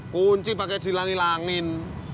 kunci pake di langi langin